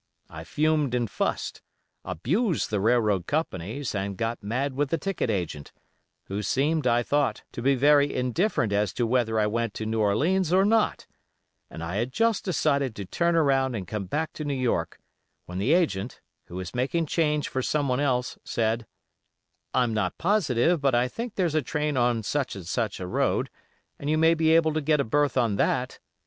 I fumed and fussed; abused the railroad companies and got mad with the ticket agent, who seemed, I thought, to be very indifferent as to whether I went to New Orleans or not, and I had just decided to turn around and come back to New York, when the agent, who was making change for someone else, said: 'I'm not positive, but I think there's a train on such and such a road, and you may be able to get a berth on that.